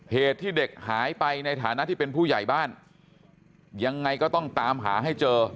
เหตุที่เด็กหายไปในฐานะที่เป็นผู้ใหญ่บ้านยังไงก็ต้องตามหาให้เจอ